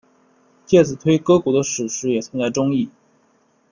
介子推割股的史实也存在争议。